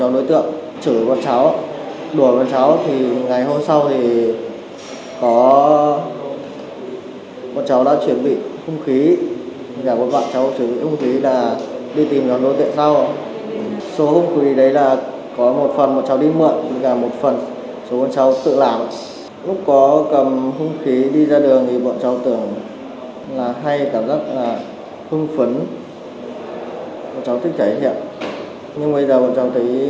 lúc có cầm không khí đi ra đường thì bọn cháu tưởng là hay cảm giác là hương phấn bọn cháu thích thể hiện nhưng bây giờ bọn cháu thấy hành vi của mình là sai trái rất là lạ